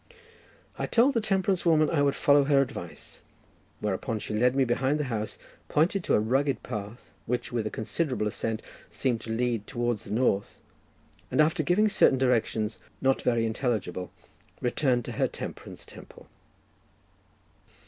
I told the temperance woman I would follow her advice, whereupon she led me behind the house, pointed to a rugged path, which with a considerable ascent seemed to lead towards the north, and after, giving certain directions, not very intelligible, returned to her temperance temple.